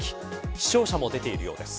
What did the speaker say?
死傷者も出ているようです。